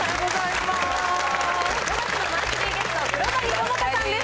５月のマンスリーゲストは黒谷友香さんです。